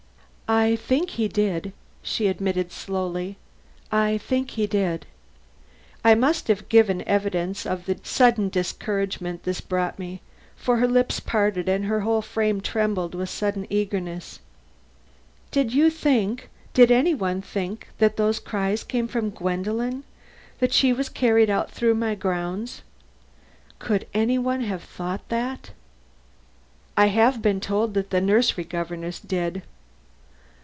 "I think he did," she admitted slowly; "I think he did." I must have given evidence of the sudden discouragement this brought me, for her lips parted and her whole frame trembled with sudden earnestness. "Did you think did any one think that those cries came from Gwendolen? That she was carried out through my grounds? Could any one have thought that?" "I have been told that the nursery governess did."